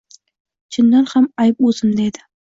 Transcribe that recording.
Chindan ham ayb o`zimda edi